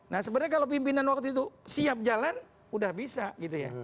nah sebenarnya kalau pimpinan waktu itu siap jalan udah bisa gitu ya